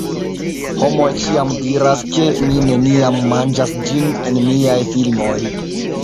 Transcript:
Homoj ĉiam diras, ke mi neniam manĝas ĝin en miaj filmoj